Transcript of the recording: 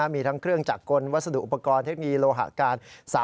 มีทั้งเครื่องจักรกลวัสดุอุปกรณ์เทคโนโลยโลหะการ